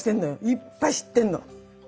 いっぱい知ってんの！